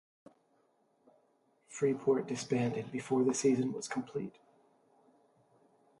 Freeport disbanded before the season was complete.